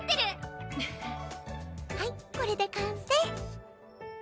デヘッはいこれで完成！